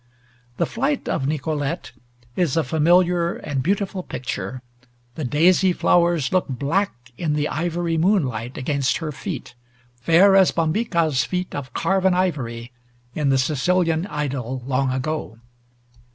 The Flight of Nicolete is a familiar and beautiful picture, the daisy flowers look black in the ivory moonlight against her feet, fair as Bombyca's "feet of carven ivory" in the Sicilian idyll, long ago.